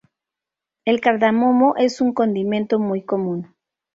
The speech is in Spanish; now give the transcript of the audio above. El cardamomo es un condimento muy común.